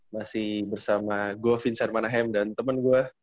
masih bersama gue vincent manahem dan temen gue